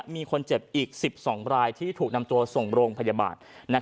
มีคนเจ็บอีก๑๒รายที่ถูกนำตัวส่งโรงพยาบาล